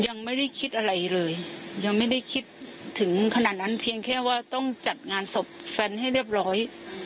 ยังไม่ได้คิดอะไรเลยยังไม่ได้คิดถึงขนาดนั้นเพียงแค่ว่าต้องจัดงานศพแฟนให้เรียบร้อย